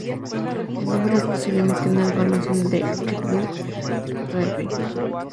El nombre es posiblemente una deformación de "Rig Dun", el "Fuerte del Rey".